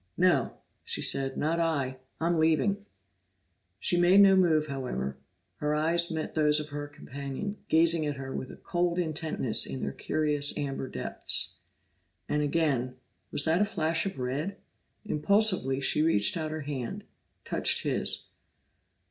"No," she said. "Not I. I'm leaving." She made no move, however; her eyes met those of her companion, gazing at her with a cold intentness in their curious amber depths. And again was that a flash of red? Impulsively she reached out her hand, touched his.